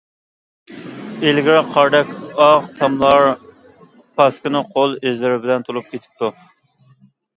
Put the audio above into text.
ئىلگىرى قاردەك ئاق تاملار پاسكىنا قول ئىزلىرى بىلەن تولۇپ كېتىپتۇ.